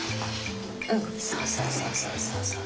うんそうそうそうそう。